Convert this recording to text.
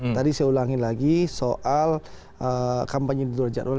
tadi saya ulangi lagi soal kampanye di luar jadwal